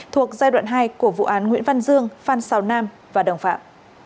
thuộc giai đoạn hai của vụ án nguyễn văn dương phan xào nam và đồng phạm